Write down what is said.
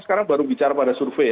sekarang baru bicara pada survei